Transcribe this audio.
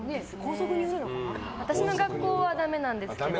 私の学校はダメなんですけど